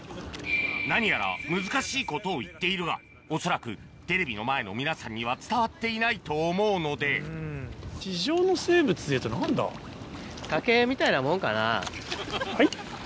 何やら難しいことを言っているが恐らくテレビの前の皆さんには伝わっていないと思うのではい？